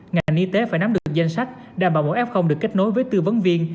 ngành y tế phải nắm được danh sách đảm bảo mỗi f được kết nối với tư vấn viên